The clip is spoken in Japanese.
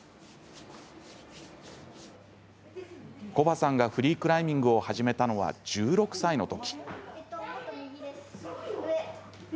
コバさんがフリークライミングを始めたのは１６歳の時。